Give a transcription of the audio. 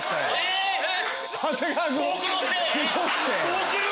えっ！